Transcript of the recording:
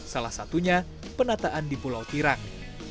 salah satunya penataan di pulau tirang